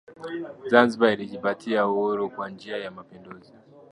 Zanzibar ilijipatia Uhuru kwa njia ya mapinduzi